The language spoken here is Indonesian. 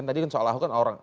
tadi kan soal ahok kan orang